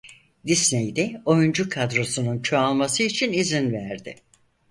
Disney de oyuncu kadrosunun çoğalması için izin verdi.